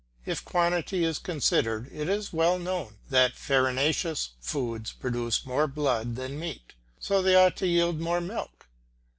If quantity is considered, it is well known that farinaceous foods produce more blood than meat, so they ought to yield more milk.